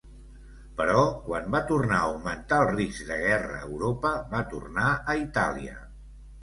Però quan va tornar a augmentar el risc de guerra a Europa, va tornar a Itàlia.